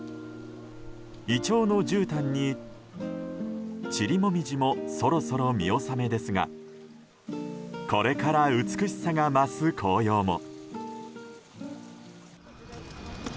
イチョウのじゅうたんに散紅葉もそろそろ見納めですがこれから美しさが増す紅葉も。